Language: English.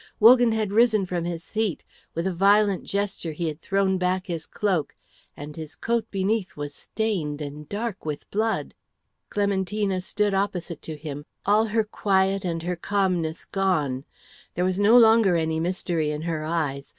Wogan had risen from his seat; with a violent gesture he had thrown back his cloak, and his coat beneath was stained and dark with blood. Clementina stood opposite to him, all her quiet and her calmness gone. There was no longer any mystery in her eyes.